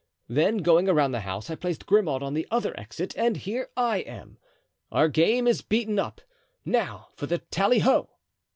Then going around the house I placed Grimaud at the other exit, and here I am. Our game is beaten up. Now for the tally ho."